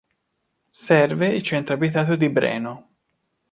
Serve il centro abitato di Breno.